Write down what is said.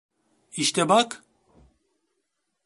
İşte bak…